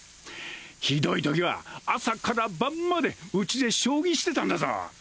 ひどいときは朝から晩までうちで将棋してたんだぞ